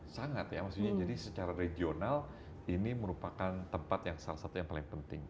sangat ya maksudnya jadi secara regional ini merupakan tempat yang salah satu yang paling penting